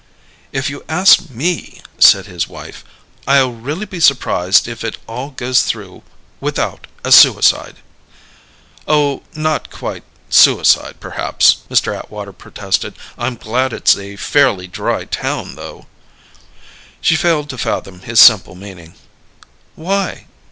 "If you ask me," said his wife, "I'll really be surprised if it all goes through without a suicide." "Oh, not quite suicide, perhaps," Mr. Atwater protested. "I'm glad it's a fairly dry town though." She failed to fathom his simple meaning. "Why?"